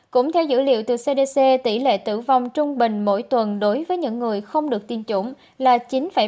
cũng theo dữ liệu từ cdc tỷ lệ tử vong trung bình mỗi tuần đối với những người không được tiêm chủng là chín bảy trên một trăm linh người